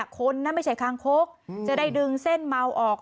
คนนั้นไม่ใช่คางคกจะได้ดึงเส้นเมาออก